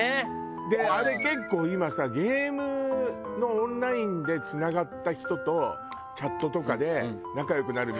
あれ結構今さゲームのオンラインでつながった人とチャットとかで仲良くなるみたいな人